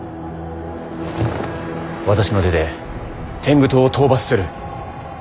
私の手で天狗党を討伐する。